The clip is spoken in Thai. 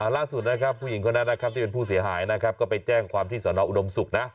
ล่าสุดนะครับผู้หญิงคนนั้นนะครับที่เป็นผู้เสียหายนะครับก็ไปแจ้งความที่สนอุดมศุกร์นะ